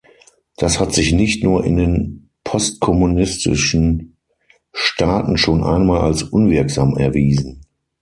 Das hat sich nicht nur in den postkommunistischen Staaten schon einmal als unwirksam erwiesen.